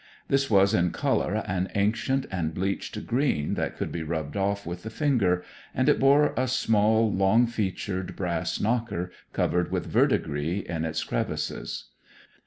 This was in colour an ancient and bleached green that could be rubbed off with the finger, and it bore a small long featured brass knocker covered with verdigris in its crevices.